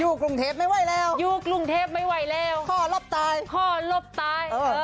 กรุงเทพไม่ไหวแล้วอยู่กรุงเทพไม่ไหวแล้วพ่อลบตายพ่อลบตาย